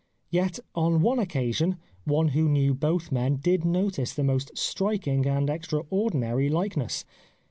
Yet, on one occasion, one who knew both men did notice the most striking and ex traordinary likeness.